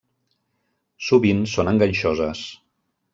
Sovint són enganxoses.